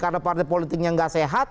karena partai politiknya gak sehat